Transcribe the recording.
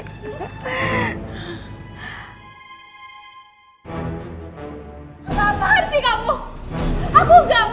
kenapaan sih kamu